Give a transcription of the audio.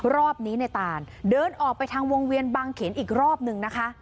รอบนี้ในตานเดินออกไปทางวงเวียนบางเขนอีกรอบนึงนะคะ